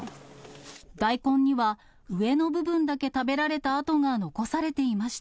大根には、上の部分だけ食べられた跡が残されていました。